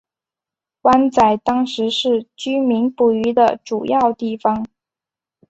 湾仔当时是居民捕鱼的主要地方。